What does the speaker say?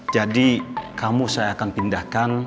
jadi kamu saya akan pindahkan